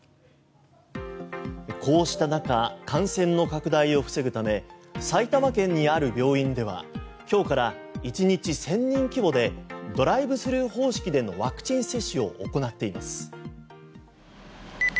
こうした中感染の拡大を防ぐため埼玉県にある病院では今日から１日１０００人規模でドライブスルー方式でのワクチン接種を行っています。